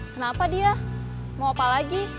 kenapa dia mau apa lagi